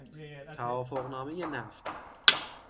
توافقنامهی نفت